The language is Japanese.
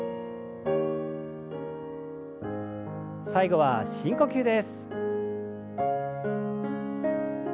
最後は深呼吸です。